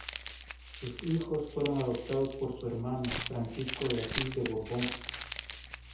Sus hijos fueron adoptados por su hermano, Francisco de Asís de Borbón.